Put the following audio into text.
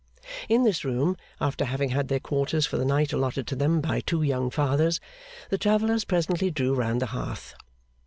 In this room, after having had their quarters for the night allotted to them by two young Fathers, the travellers presently drew round the hearth.